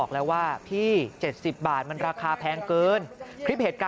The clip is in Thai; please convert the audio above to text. ขอบคุณครับ